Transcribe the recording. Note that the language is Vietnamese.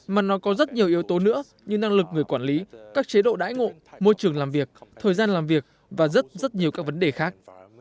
mà nó có rất nhiều yếu tố nữa như năng lực người quản lý các chế độ đãi ngộ môi trường làm việc thời gian làm việc và rất rất nhiều các vấn đề khác